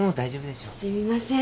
すみません。